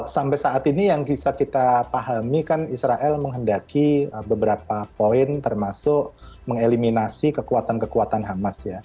sampai saat ini yang bisa kita pahami kan israel menghendaki beberapa poin termasuk mengeliminasi kekuatan kekuatan hamas ya